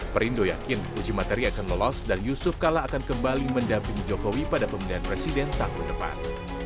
perindo yakin uji materi akan lolos dan yusuf kala akan kembali mendampingi jokowi pada pemilihan presiden tahun depan